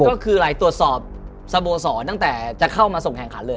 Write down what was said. ก็คืออะไรตรวจสอบสโมสรตั้งแต่จะเข้ามาส่งแข่งขันเลย